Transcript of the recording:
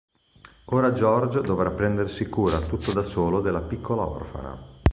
Ora George dovrà prendersi cura tutto da solo della piccola orfana.